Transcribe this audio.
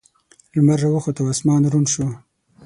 لمر راوخوت او اسمان روڼ شو.